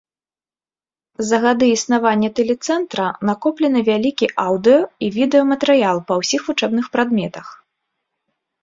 За гады існавання тэлецэнтра накоплены вялікі аўдыё і відэаматэрыял па ўсіх вучэбных прадметах.